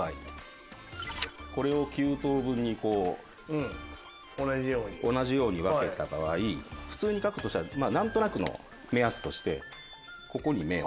これを９等分に同じように分けた場合普通に描くとしたら何となくの目安としてここに目を。